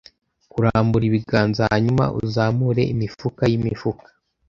Kurambura ibiganza hanyuma uzamure imifuka yimifuka,